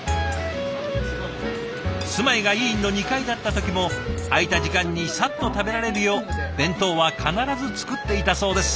住まいが医院の２階だった時も空いた時間にさっと食べられるよう弁当は必ず作っていたそうです。